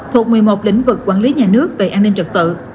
thuộc một mươi một lĩnh vực quản lý nhà nước về an ninh trật tự